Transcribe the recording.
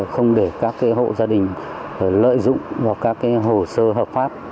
không để các hộ gia đình lợi dụng vào các hồ sơ hợp pháp